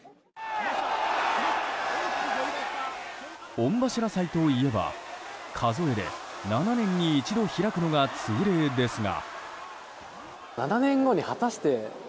御柱祭といえば数えで７年に一度開くのが通例ですが。